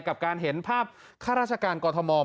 การเห็นภาพข้าราชกรัฐมงส์